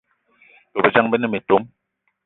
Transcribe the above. Bôbejang be ne metom